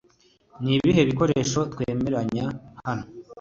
Ni ibihe bikoresho twemeranya hano